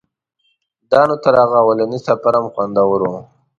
دا نو تر هغه اولني سفر هم خوندور و.